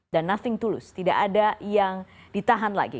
dan nothing to lose tidak ada yang ditahan lagi